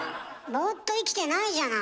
ボーっと生きてないじゃない。